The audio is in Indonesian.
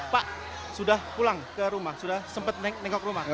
pak sudah pulang ke rumah sudah sempat nengok rumah